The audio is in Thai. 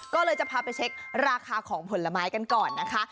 ก็เลยจะพาไปเช็คราคาของผลไม้กันก่อนนะคะ